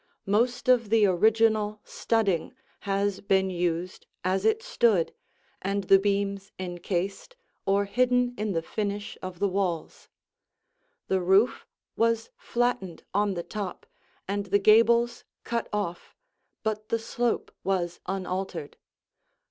Most of the original studding has been used as it stood, and the beams incased or hidden in the finish of the walls. The roof was flattened on the top, and the gables cut off, but the slope was unaltered.